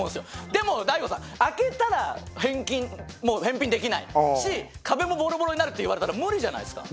でも大悟さん開けたら返金もう返品できないし壁もボロボロになるって言われたら無理じゃないですか。